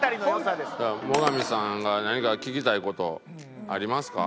最上さんが何か聞きたい事ありますか？